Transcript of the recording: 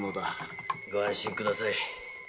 ご安心ください。